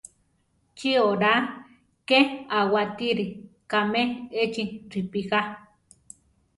Chi oraa ké awátiri kame echi ripigá?